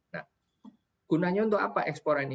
nah gunanya untuk apa ekspor ini